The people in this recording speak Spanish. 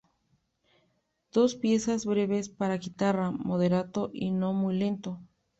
Dos piezas breves para guitarra "Moderato" y "No muy lento".